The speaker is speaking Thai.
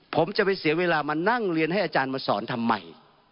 ผมจะไปเสียเวลามานั่งเรียนให้อาจารย์มาสอนทำไม